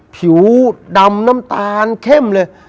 ผิวดำน้ำตาลเข้มเลย